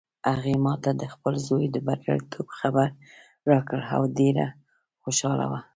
هغې ما ته د خپل زوی د بریالیتوب خبر راکړ او ډېره خوشحاله وه